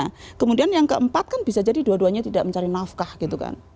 nah kemudian yang keempat kan bisa jadi dua duanya tidak mencari nafkah gitu kan